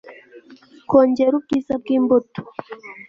kongera ubwiza bw imbuto